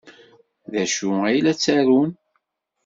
D acu ay la ttarun?